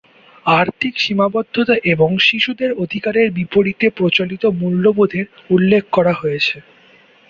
আর্থিক সীমাবদ্ধতা এবং "শিশুদের অধিকারের বিপরীতে প্রচলিত মূল্যবোধের" উল্লেখ করা হয়েছে।